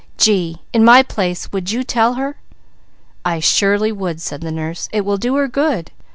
Gee! In my place would you tell her?" "I surely would," said the nurse. "It will do her good.